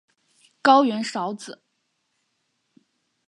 高原苕子